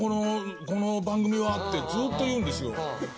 この番組は」ってずっと言うんですよ。